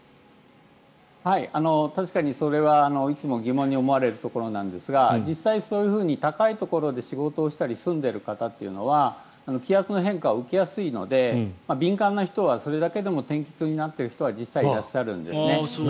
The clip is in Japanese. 確かにそれはいつも疑問に思われるところなんですが実際、そういう高いところで仕事をしたり住んでいる方というのは気圧の変化を受けやすいので敏感な人はそれだけでも天気痛になっている人は実際にいらっしゃるんですね。